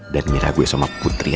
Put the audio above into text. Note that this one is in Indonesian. dan nyerah gue sama putri ya